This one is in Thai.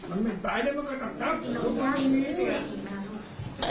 อันนี้หนูไม่ทราบเลยค่ะ